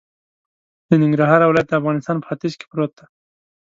د ننګرهار ولایت د افغانستان په ختیځ کی پروت دی